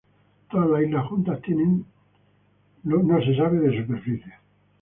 Todas las islas juntas tienen de superficie.